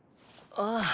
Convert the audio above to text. ああ。